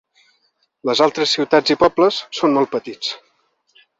Les altres ciutats i pobles són molt petits.